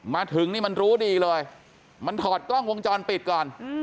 มาถึงนี่มันรู้ดีเลยมันถอดกล้องวงจรปิดก่อน